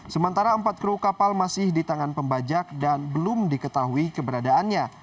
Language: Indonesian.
sementara empat kru kapal masih di tangan pembajak dan belum diketahui keberadaannya